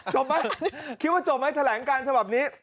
จบไหมคิดว่าจบไหมแถลงการฉบับนี้